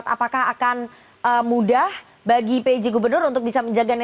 apakah akan mudah bagi pj gubernur untuk bisa menjaga